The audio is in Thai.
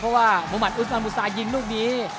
เพราะว่ามุมัติอุสมันบูซายิงลูกนี้